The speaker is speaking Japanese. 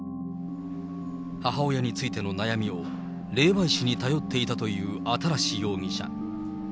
母親についての悩みを霊媒師に頼っていたという新容疑者。